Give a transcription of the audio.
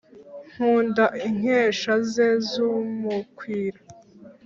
nkunda inkesha ze z’umukwira.